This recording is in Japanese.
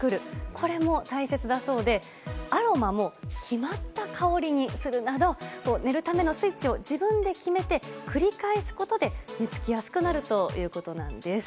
これも大切だそうでアロマも決まった香りにするなど寝るためのスイッチを自分で決めて繰り返すことで寝付きやすくなるということです。